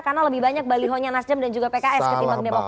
karena lebih banyak balihonya nasdem dan juga pks ketimbang demokrat